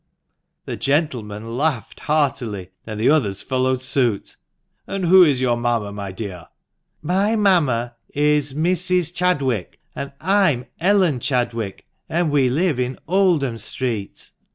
The gentleman laughed heartily, and the others followed suit. "And who is your mamma, my dear?" " My mamma is Mrs. Chadwick, and I'm Ellen Chadwick ; and we live in Oldham Street."